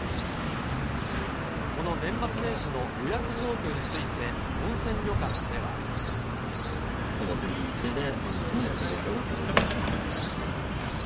この年末年始の予約状況について、温泉旅館では。ほぼ全日程で満室の予約状況が続いております。